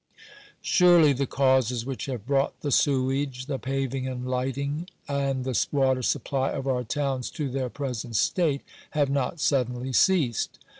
Surely the causes which have brought the sewage, the paving and lighting, and the water supply of our towns, to their pre sent state, have not suddenly ceased.